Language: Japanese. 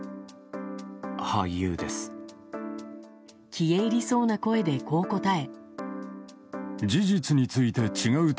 消え入りそうな声でこう答え。